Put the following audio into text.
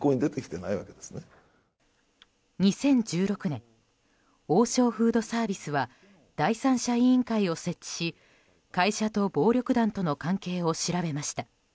２０１６年王将フードサービスは第三者委員会を設置し会社と暴力団との関係を調べました。